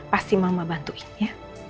pasti mama bantuin ya